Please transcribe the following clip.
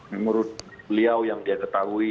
menurut beliau yang dia ketahui